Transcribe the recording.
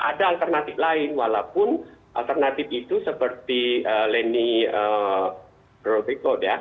ada alternatif lain walaupun alternatif itu seperti leni ropicode ya